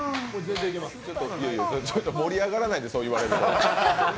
盛り上がらないんでそう言われると。